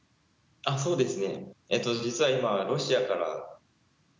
あっそうですね。